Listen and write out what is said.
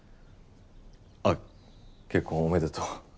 あっ結婚おめでとう。